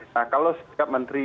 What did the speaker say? nah kalau setiap menteri